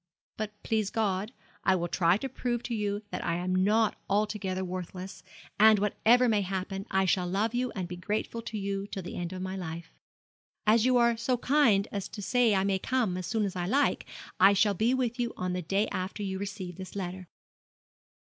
But, please God, I will try to prove to you that I am not altogether worthless; and, whatever may happen, I shall love you and be grateful to you till the end of my life. 'As you are so kind as to say I may come as soon as I like, I shall be with you on the day after you receive this letter.'